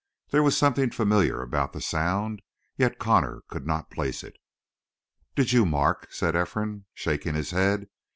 There was something familiar about the sound yet Connor could not place it. "Did you mark?" said Ephraim, shaking his head.